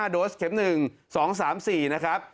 ๖๘๓๘๖๕โดสเข็ม๑๒๓๔นะครับ